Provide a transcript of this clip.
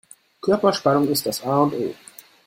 Körperspannung ist das A und O.